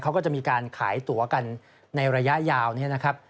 เขาก็จะมีการขายตัวกันในระยะยาวนี้นะครับ